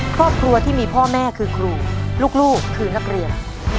ครอบครัวที่มีพ่อแม่คือครูลูกคือนักเรียน